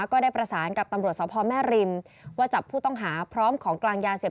ก็ได้ประสานกับตำรวจสพแม่ริมว่าจับผู้ต้องหาพร้อมของกลางยาเสียบ